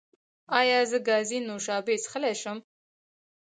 ایا زه ګازي نوشابې څښلی شم؟